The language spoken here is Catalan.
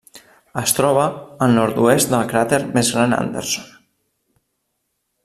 Es troba al nord-oest del cràter més gran Anderson.